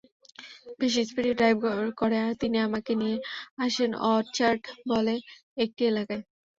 বেশ স্পিডে ড্রাইভ করে তিনি আমাকে নিয়ে আসেন অরচার্ড বলে একটি এলাকায়।